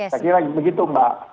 saya kira begitu mbak